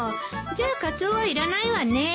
じゃあカツオはいらないわね。